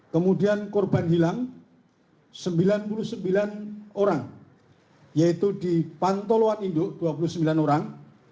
kemudian korban hilang sembilan puluh sembilan orang yaitu di pantoluan induk dua puluh sembilan orang